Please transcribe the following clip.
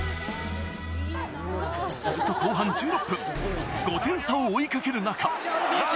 すると後半１６分、５点差を追いかける中。